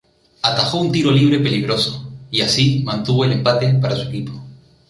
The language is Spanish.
Atajó un tiro libre peligroso y así mantuvo el empate para su equipo.